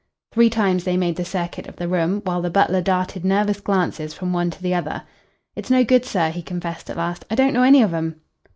Three times they made the circuit of the room, while the butler darted nervous glances from one to the other. "It's no good, sir," he confessed at last. "I don't know any of 'em."